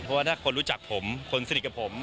เพราะว่าถ้าคนรู้จักผมคนสนิทกับผม